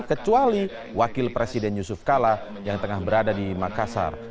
kecuali wakil presiden yusuf kala yang tengah berada di makassar